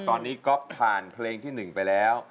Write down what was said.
ตอนนี้ก๊อฟผ่านเพลงที่๑ไปแล้ว